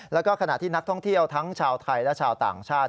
แล้วก็ขณะที่นักท่องเที่ยวทั้งชาวไทยและชาวต่างชาติ